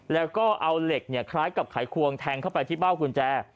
แล้วก็เอาเหล็กคล้ายกับไขควงแทงเข้าไปที่เบ้ากุญแจ